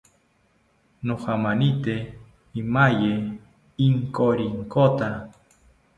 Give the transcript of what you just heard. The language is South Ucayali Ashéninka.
Nojamanite imaye inkokironta